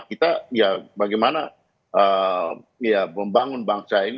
kita ya bagaimana membangun bangsa ini